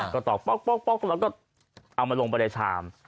ก็ตอกป๊อกแล้วก็เอามาลงไปในชาม